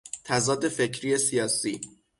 تضاد فکری سیاسی